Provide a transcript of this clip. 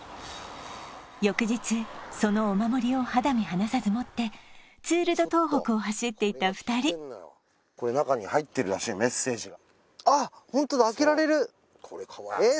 翌日そのお守りを肌身離さず持ってツール・ド・東北を走っていた２人これ中に入ってるらしいのメッセージがあっホントだ開けられるえっ